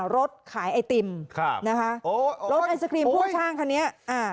รถขายไอติมนะคะรถไอศครีมพ่วงข้างค่ะเนี่ย